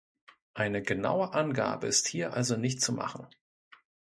Eine genaue Angabe ist hier also nicht zu machen.